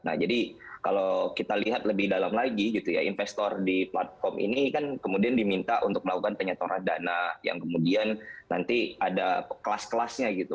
nah jadi kalau kita lihat lebih dalam lagi gitu ya investor di platform ini kan kemudian diminta untuk melakukan penyetoran dana yang kemudian nanti ada kelas kelasnya gitu